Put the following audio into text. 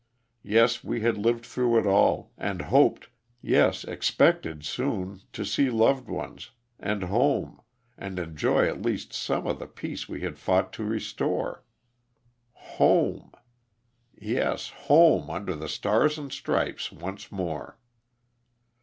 Yes, we had lived through it all, and hoped, yes expected soon, to see loved ones and home and enjoy at least some of the peace we had fought to restore. Home! Yes, liome under the stars and stripes, once more.